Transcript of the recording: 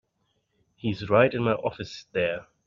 He's right in my office there.